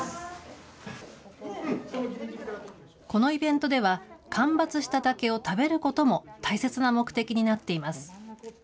このイベントでは、間伐した竹を食べることも大切な目的になっています。